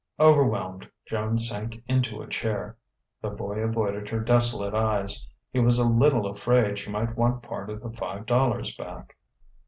Overwhelmed, Joan sank into a chair. The boy avoided her desolate eyes; he was a little afraid she might want part of the five dollars back.